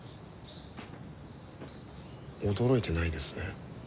驚いてないですね。